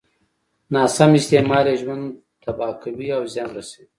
ناسم استعمال يې ژوند تباه کوي او زيان رسوي.